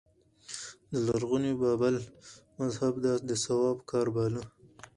د لرغوني بابل مذهب دا د ثواب کار باله